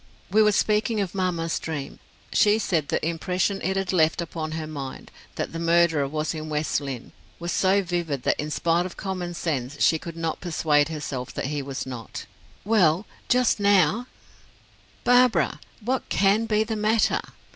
"We were speaking of mamma's dream. She said the impression it had left upon her mind that the murderer was in West Lynne was so vivid that in spite of common sense she could not persuade herself that he was not. Well just now " "Barbara, what can be the matter?"